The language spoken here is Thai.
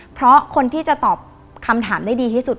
เพราะคนที่จะตอบคำถามได้ดีที่สุด